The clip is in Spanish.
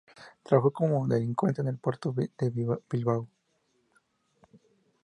Trabajó como delineante en el puerto de Bilbao.